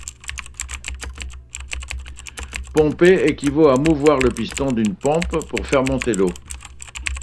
Pomper équivaut à mouvoir le piston d'une pompe pour faire monter l'eau.